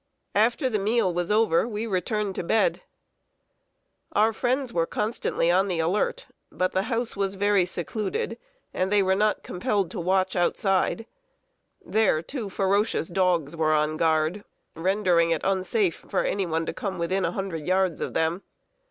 After the meal was over, we returned to bed. [Sidenote: LOYALTY OF THE MOUNTAINEERS.] Our friends were constantly on the alert; but the house was very secluded, and they were not compelled to watch outside. There, two ferocious dogs were on guard, rendering it unsafe for any one to come within a hundred yards of them.